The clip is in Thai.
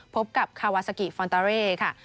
พบกับคาวาซากิฟอนตาเร่ค่ะ